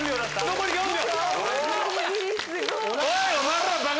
残り４秒。